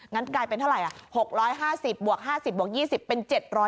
กลายเป็นเท่าไหร่๖๕๐บวก๕๐บวก๒๐เป็น๗๐